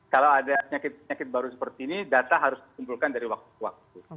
kalau ada penyakit penyakit baru seperti ini data harus dikumpulkan dari waktu ke waktu